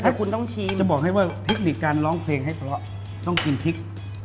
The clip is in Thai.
ได้หมดแล้วฮะจะบอกให้ว่าเทคนิคการร้องเพลงให้เพราะต้องกินพริก